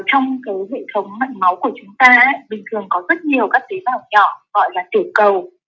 trong hệ thống mạnh máu của chúng ta bình thường có rất nhiều các tế bào nhỏ gọi là tiểu cầu